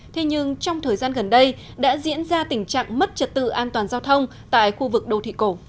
thế nhưng trong thời gian gần đây đã diễn ra tình trạng mất trật tự an toàn giao thông tại khu vực đô thị cổ